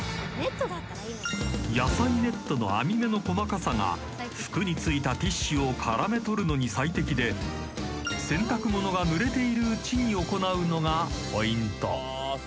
［野菜ネットの網目の細かさが服に付いたティッシュを絡め取るのに最適で洗濯物がぬれているうちに行うのがポイント］